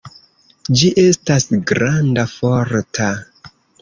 Ĝi estas granda, forta.